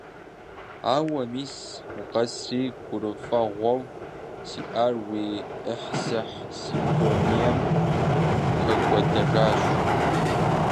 Ауэ, мис, – укъэсри, гурыфӀыгъуэу сиӀар уи «Ӏыхьсыхь» симфонием хэкӀуэдэжащ…